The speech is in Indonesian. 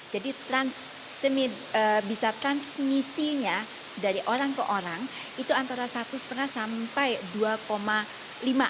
jadi transmisinya dari orang ke orang itu antara satu lima sampai dua lima